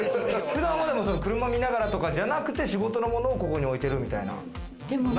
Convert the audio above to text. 普段は車を見ながらとかじゃなくて、仕事のものを、ここに置いてるみたいな。